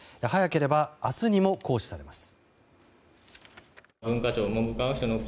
早ければ明日にも行使されます。